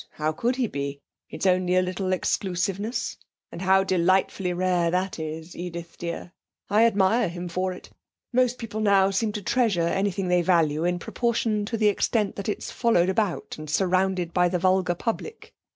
How could he be? It's only a little exclusiveness.... And how delightfully rare that is, Edith dear. I admire him for it. Most people now seem to treasure anything they value in proportion to the extent that it's followed about and surrounded by the vulgar public.